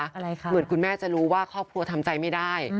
อะไรคะเหมือนคุณแม่จะรู้ว่าครอบครัวทำใจไม่ได้